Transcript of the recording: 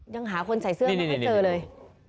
ยังหาคนใส่เสื้อยังไม่เจอเลย